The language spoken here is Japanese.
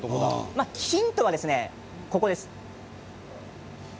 ヒントはここです。